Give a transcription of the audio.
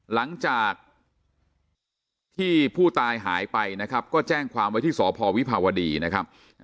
หลังจากที่ผู้ตายหายไปนะครับก็แจ้งความไว้ที่สพวิภาวดีนะครับ